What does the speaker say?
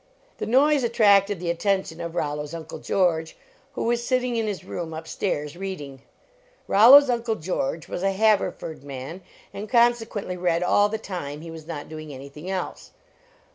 The noise attracted the attention of Rollo s Uncle George, who was sitting in his room up >tairs reading. Rollo s Uncle George was a Haver ford man, and consequently read all the time he was not doing anything else.